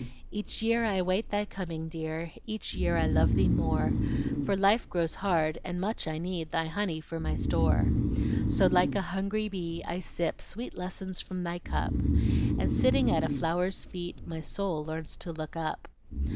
Each year I wait thy coming, dear, Each year I love thee more, For life grows hard, and much I need Thy honey for my store. So, like a hungry bee, I sip Sweet lessons from thy cup, And sitting at a flower's feet, My soul learns to look up.